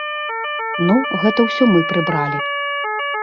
Ну, гэта ўсё мы прыбралі.